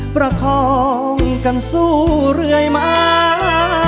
ประคองกันสู้เรื่อยมา